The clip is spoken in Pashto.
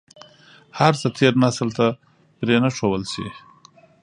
هر څه تېر نسل ته پرې نه ښودل شي.